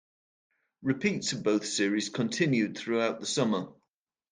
Repeats of both series continued throughout the summer.